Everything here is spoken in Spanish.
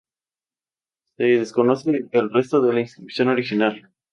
Se desconoce el resto de la inscripción original.